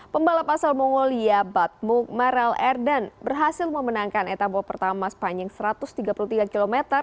pembalap asal mongolia batmuk marel erdon berhasil memenangkan etabo pertama sepanjang satu ratus tiga puluh tiga km